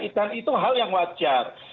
dan itu hal yang wajar